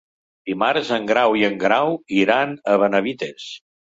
Dimarts en Grau i en Guerau iran a Benavites.